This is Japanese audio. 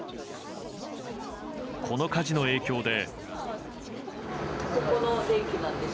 この火事の影響で。